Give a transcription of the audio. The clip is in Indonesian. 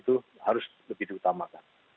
itu harus lebih diutamakan